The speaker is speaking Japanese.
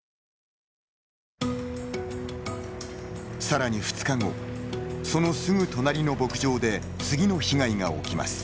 さらに２日後そのすぐ隣の牧場で次の被害が起きます。